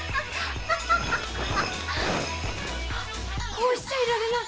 こうしちゃいられない。